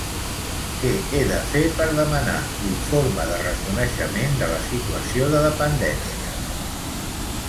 Què he de fer per demanar l'informe de reconeixement de la situació de dependència?